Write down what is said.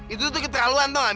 itu tuh keterlaluan tau gak